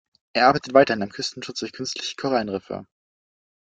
Er arbeitet weiterhin am Küstenschutz durch künstliche Korallenriffe.